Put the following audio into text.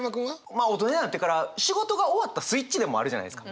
まあ大人になってから仕事が終わったスイッチでもあるじゃないですか。